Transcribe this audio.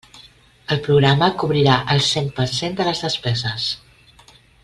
El programa cobrirà el cent per cent de les despeses.